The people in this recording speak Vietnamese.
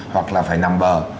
hoặc là phải nằm bờ